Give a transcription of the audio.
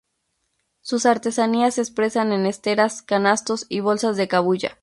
Sus artesanías se expresan en esteras, canastos y bolsas de cabuya.